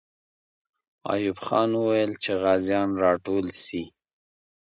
ایوب خان وویل چې غازیان راټول سي.